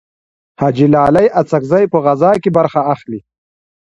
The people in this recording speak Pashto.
حاجي لالي اڅکزی په غزاکې برخه اخلي.